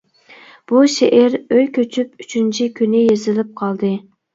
بۇ شېئىر ئۆي كۆچۈپ ئۈچىنچى كۈنى يېزىلىپ قالدى.